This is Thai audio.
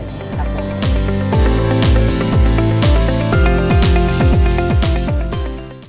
โปรดติดตามตอนต่อไป